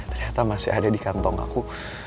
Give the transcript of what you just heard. ternyata masih ada di kantong aku